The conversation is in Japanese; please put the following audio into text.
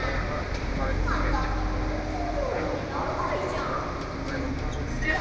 いつまでたってもぜんぜんじょうずにならないじゃん！